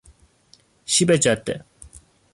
شیب جاده